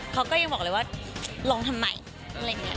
เขาก็ยังบอกเลยว่าลองทำไมอะไรอย่างนี้